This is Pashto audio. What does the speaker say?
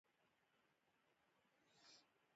جګړه لګیا وو.